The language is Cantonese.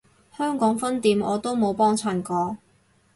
香港分店我都冇幫襯過